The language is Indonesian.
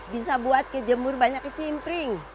bisa buat ke jemur banyak ke timpring